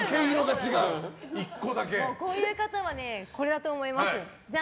こういう方はこれだと思います。